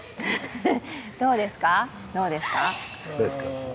どうですか？